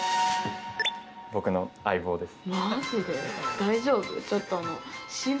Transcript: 僕の相棒です。